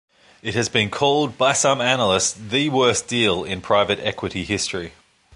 It has been called by some analysts the worst deal in private equity history.